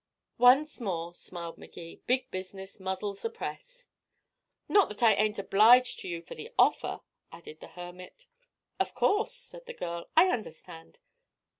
"Once more," smiled Magee, "big business muzzles the press." "Not that I ain't obliged to you for the offer," added the hermit. "Of course," said the girl, "I understand.